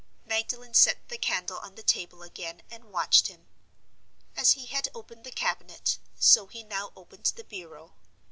Magdalen set the candle on the table again, and watched him. As he had opened the cabinet, so he now opened the bureau.